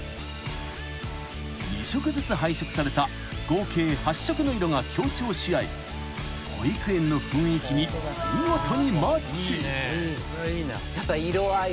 ［２色ずつ配色された合計８色の色が協調し合い保育園の雰囲気に見事にマッチ］